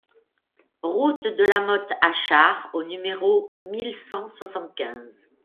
Route de la Mothe Achard au numéro mille cent soixante-quinze